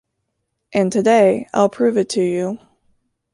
And today I’ll prove it to you.